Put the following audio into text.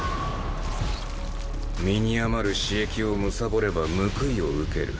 身に余る私益を貪れば報いを受ける。